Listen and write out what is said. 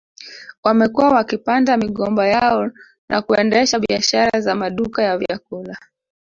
Wamekuwa wakipanda migomba yao na kuendesha biashara za maduka ya vyakula